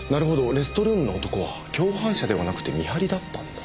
レストルームの男は共犯者ではなくて見張りだったんだ。